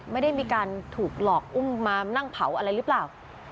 ไม่ได้มีการถูกหลอกอุ้มมานั่งเผาอะไรหรือเปล่า